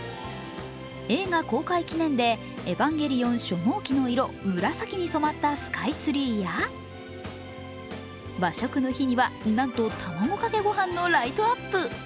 映画公開記念でエヴァンゲリオン初号機の色、紫に染まったスカイツリーや、和食の日にはなんと卵かけご飯のライトアップ。